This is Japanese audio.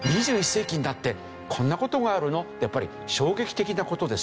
２１世紀になってこんな事があるの？ってやっぱり衝撃的な事ですよね。